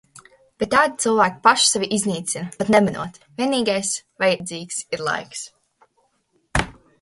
Bet tādi cilvēki paši sevi iznīcina pat nemanot, vienīgais vajadzīgs ir laiks.